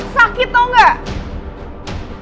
sakit tau gak